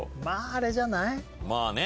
まああれじゃない？